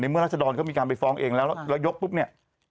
เมื่อราชดรเขามีการไปฟ้องเองแล้วแล้วยกปุ๊บเนี่ย